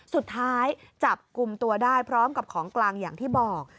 สุดท้ายจับกลุ่มตัวได้พร้อมกับของกลางอย่างที่บอก